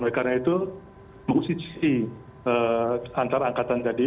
oleh karena itu posisi antara angkatan tadi